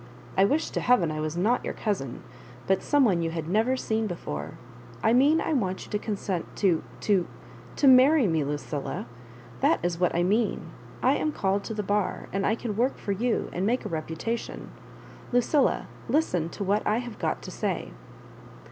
I wish to heaven I was not your cousin, but some one you had never seen before. I mean I want you to consent to — to — ^to — marry me, Lucilla. That is what I mean. I am called to the bar, and I can work for you, and make a reputation. Lucilla, listen to what I have got to say."